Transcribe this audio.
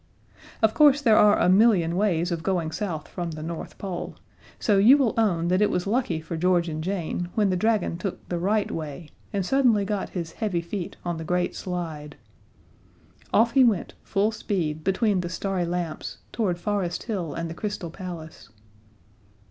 Of course there are a million ways of going south from the North Pole so you will own that it was lucky for George and Jane when the dragon took the right way and suddenly got his heavy feet on the great slide. Off he went, full speed, between the starry lamps, toward Forest Hill and the Crystal Palace.